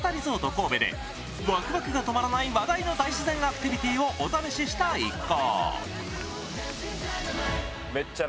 神戸で、ワクワクが止まらない話題の大自然アクティビティーをお試しした一行。